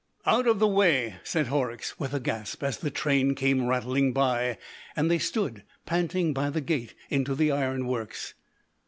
"Out of the way," said Horrocks, with a gasp, as the train came rattling by, and they stood panting by the gate into the ironworks.